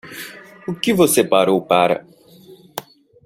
O que você parou para?